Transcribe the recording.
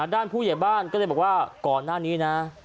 ผู้ใหญ่บ้านก็เลยบอกว่าก่อนหน้านี้นะ